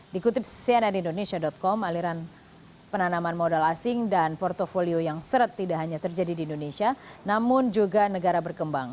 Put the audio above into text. dikutip cnn indonesia com aliran penanaman modal asing dan portfolio yang seret tidak hanya terjadi di indonesia namun juga negara berkembang